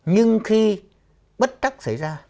nhưng khi bất trắc xảy ra